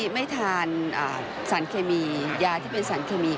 ไม่ทานสารเคมียาที่เป็นสารเคมี